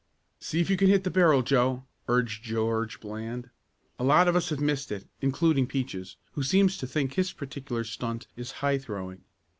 "See if you can hit the barrel, Joe," urged George Bland. "A lot of us have missed it, including Peaches, who seems to think his particular stunt is high throwing."